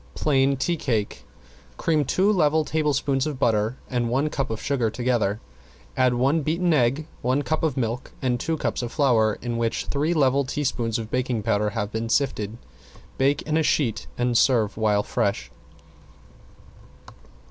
~PLAIN TEA CAKE~ Cream two level tablespoons of butter and one cup of sugar together, add one beaten egg, one cup of milk and two cups of flour in which three level teaspoons of baking powder have been sifted. Bake in a sheet, and serve while fresh.